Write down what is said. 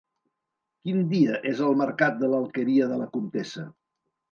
Quin dia és el mercat de l'Alqueria de la Comtessa?